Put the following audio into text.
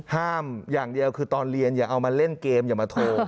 อย่างเดียวคือตอนเรียนอย่าเอามาเล่นเกมอย่ามาโทร